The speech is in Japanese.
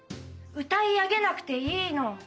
歌い上げなくていいの。